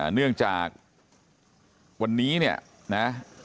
เนื่องจากวันนี้เนี่ยนะ